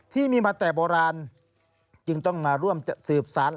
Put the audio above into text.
ที่มีมาแต่โบราณจึงต้องมาร่วมสืบสาร